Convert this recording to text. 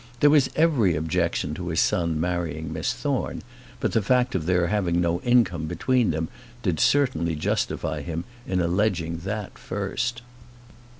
There was every objection to his son marrying Miss Thorne; but the fact of their having no income between them, did certainly justify him in alleging that first.